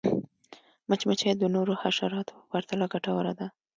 مچمچۍ د نورو حشراتو په پرتله ګټوره ده